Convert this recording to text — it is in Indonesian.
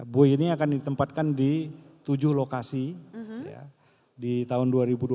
bui ini akan ditempatkan di tujuh lokasi di tahun dua ribu dua puluh